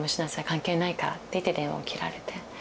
関係ないから」と言って電話を切られて。